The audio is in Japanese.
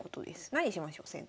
何しましょう先手。